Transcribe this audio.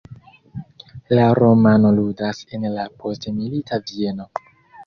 La romano ludas en la postmilita Vieno.